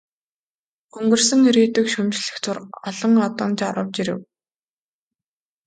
Өнгөрсөн ирээдүйг шүүмжлэх зуур олон одон жарав, жирэв.